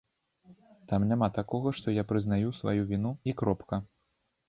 Там няма такога, што я прызнаю сваю віну, і кропка.